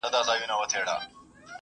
زه هره ورځ کتابتوننۍ سره وخت تېرووم!